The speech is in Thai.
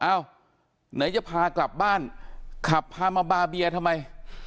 ไหนจะพากลับบ้านขับพามาบาเบียทำไม